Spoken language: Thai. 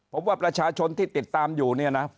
ผมว่าประชาชนที่ติดตามอยู่